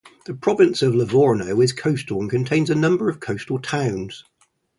The province of Livorno is coastal and contains a number of coastal towns.